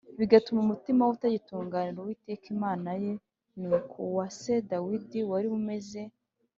bigatuma umutima we utagitunganira Uwiteka Imana ye nk’uko uwa se Dawidi wari umeze